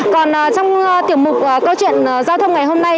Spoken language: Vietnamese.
còn trong tiểu mục công truyện giao thông ngày hôm nay